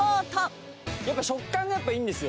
食感がやっぱいいんですよ